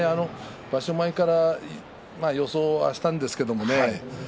場所前から予想はしたんですけどね。